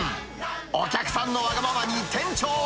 お客さんのわがままに店長は。